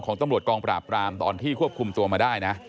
ของตำลวจกองประปรามตอนที่ควบคุมตัวมาได้